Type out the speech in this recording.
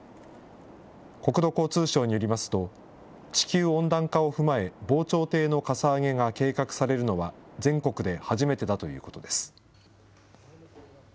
国土交通省によりますと、地球温暖化を踏まえ、防潮堤のかさ上げが計画されるのは、全国で初めてだということです。